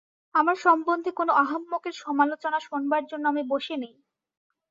আমার সম্বন্ধে কোন আহাম্মকের সমালোচনা শোনবার জন্য আমি বসে নেই।